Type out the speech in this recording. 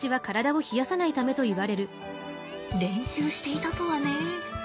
練習していたとはね。